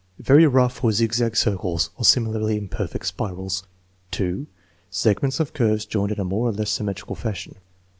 Very rough or zigzag circles or similarly imperfect spirals. 2. Segments of curves joined in a more or less symmetrical fashion.